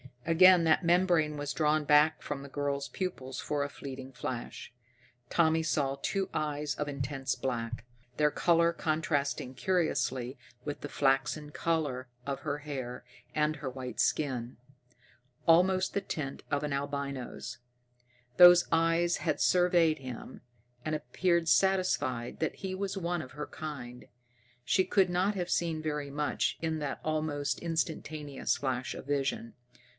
Again that membrane was drawn back from the girl's pupils for a fleeting flash. Tommy saw two eyes of intense black, their color contrasting curiously with the flaxen color of her hair and her white skin, almost the tint of an albino's. Those eyes had surveyed him, and appeared satisfied that he was one of her kind. She could not have seen very much in that almost instantaneous flash of vision.